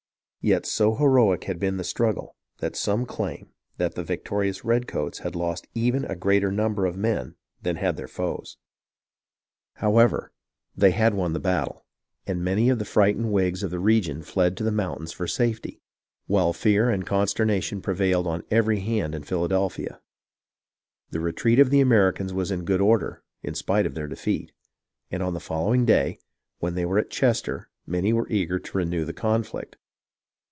Yet so heroic had been the struggle that some claim that the victorious redcoats had lost even a greater number of men than had their foes. 2l6 HISTORY OF THE AMERICAN REVOLUTION However, they had won the battle, and many of the frightened Whigs of the region fled to the mountains for safety, while fear and consternation prevailed on every hand in Philadelphia. The retreat of the Americans was in good order, in spite of their defeat; and on the following day, when they were at Chester, many were eager to renew the conflict.